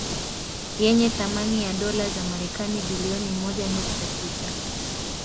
Yenye thamani ya dola za Marekani bilioni moja nukta sita